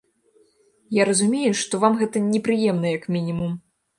Я разумею, што вам гэта непрыемна, як мінімум.